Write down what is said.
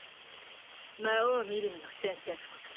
魔王ミリムの宣戦布告